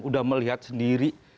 udah melihat sendiri